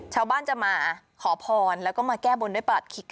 ชาวบ้านจะมาขอพรแล้วก็มาแก้บนด้วยประหลัดขิก